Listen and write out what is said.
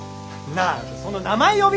なあその名前呼び！